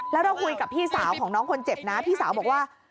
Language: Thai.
แล้วเราคุยกับพี่สาวของน้องคนเจ็บนะพี่สาวบอกว่า